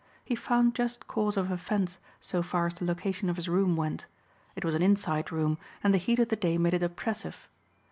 He found just cause of offense so far as the location of his room went. It was an inside room and the heat of the day made it oppressive.